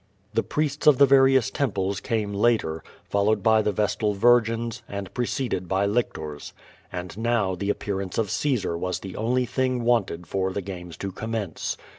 The priests of the various temples came later, followed by QUO VADIB. 403 the vestal virgins, and preceded by lictors. And now the appearance of Caesar was the only thing wanted for the games to . commence.